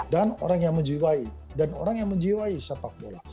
dan orang yang menjiwai dan orang yang menjiwai sepak bola